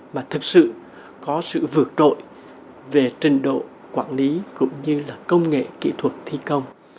mà thực sự có sự vượt rội về trình độ quản lý cũng như là công nghệ kỹ thuật thi công